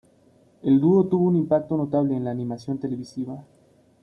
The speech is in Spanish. El dúo tuvo un impacto notable en la animación televisiva.